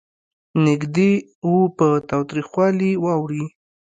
نېږدې و په تاوتریخوالي واوړي.